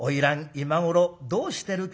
今頃どうしてるかな？」。